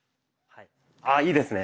あいいですね。